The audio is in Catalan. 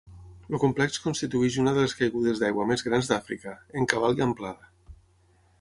El complex constitueix una de les caigudes d'aigua més grans d'Àfrica, en cabal i amplada.